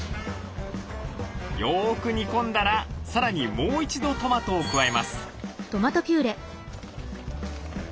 よく煮込んだらさらにもう一度トマトを加えます。